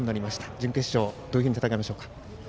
準決勝、どういうふうに戦いましょうか。